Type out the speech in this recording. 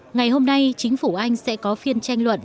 ngày hôm nay chính phủ anh sẽ có phiên tranh luận